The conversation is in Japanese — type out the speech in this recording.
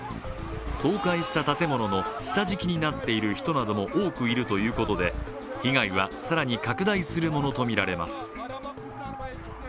倒壊した建物の下敷きになっている人も多くいるということで被害は更に拡大するものとみられます。